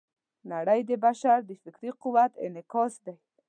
نړۍ د بشر د فکري قوت انعکاس دی.